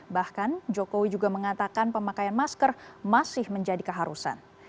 bahkan jokowi juga mengatakan pemakaian masker masih menjadi keharusan